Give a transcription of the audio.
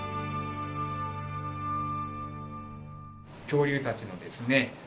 恐竜たちのですね